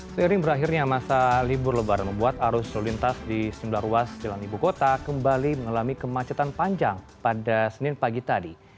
seiring berakhirnya masa libur lebaran membuat arus lintas di sejumlah ruas jalan ibu kota kembali mengalami kemacetan panjang pada senin pagi tadi